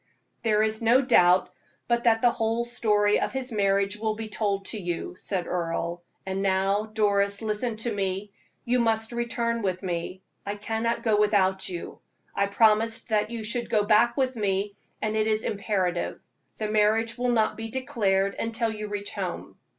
"There is no doubt but that the whole story of his marriage will be told to you," said Earle. "And now, Doris, listen to me you must return with me; I cannot go without you. I promised that you should go back with me, and it is imperative. The marriage will not be declared until you reach home."